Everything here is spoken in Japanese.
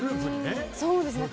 そうですね。